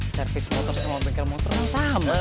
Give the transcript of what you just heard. servis motor sama bengkel motor kan sama